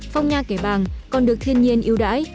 phong nha kẻ bàng còn được thiên nhiên yêu đái